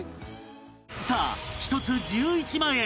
さあ１つ１１万円